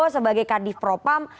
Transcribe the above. sebagai kadif propam